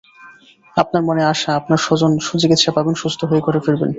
আপনার মনে আশা, আপনার স্বজন সুচিকিৎসা পাবেন, সুস্থ হয়ে ঘরে ফিরবেন।